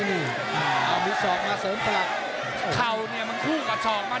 เขามีชอกมาเก่า